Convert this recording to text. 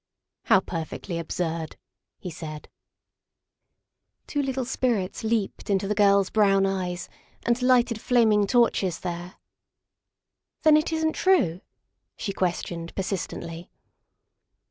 *' How perfectly absurd !" he said. 190 THE WIFE OF Two little spirits leaped into the girl's brown eyes and lighted flaming torches there. " Then it isn't true?" she questioned persistently.